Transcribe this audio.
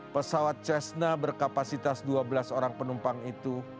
pesawat cessna berkapasitas dua belas orang penumpang itu